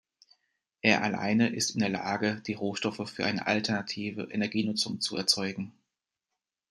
Er alleine ist in der Lage, die Rohstoffe für eine alternative Energienutzung zu erzeugen.